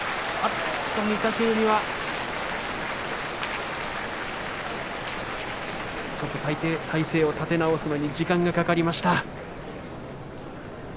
御嶽海はちょっと体勢を立て直すのに時間がかかりました。